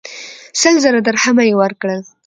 سل زره درهمه یې ورکړل.